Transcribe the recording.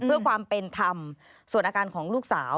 เพื่อความเป็นธรรมส่วนอาการของลูกสาว